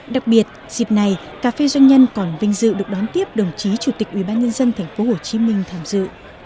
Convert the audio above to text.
đặc biệt dịp này cà phê doanh nhân còn vinh dự được đón tiếp đồng chí chủ tịch ubnd tp hcm tham dự